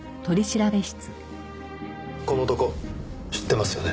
この男知ってますよね？